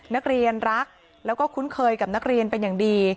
นักเรียนรักแล้วก็คุ้นเคยกับนักเรียนเป็นอย่างดี